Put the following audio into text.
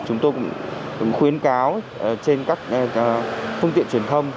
chúng tôi cũng khuyến cáo trên các phương tiện truyền thông